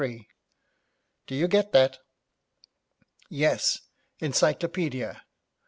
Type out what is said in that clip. Do you get that? Yes, encyclopaedia.